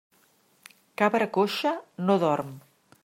Cabra coixa no dorm.